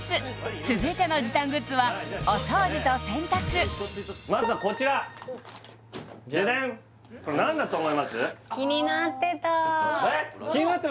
続いての時短グッズはお掃除と洗濯まずはこちらジャジャンえっ気になってる？